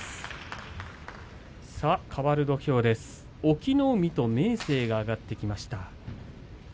かわる土俵です隠岐の海と明生が上がってきました。